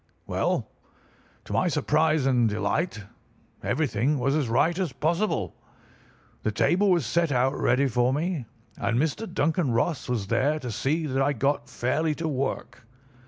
"Well, to my surprise and delight, everything was as right as possible. The table was set out ready for me, and Mr. Duncan Ross was there to see that I got fairly to work.